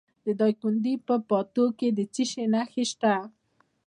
د دایکنډي په پاتو کې د څه شي نښې دي؟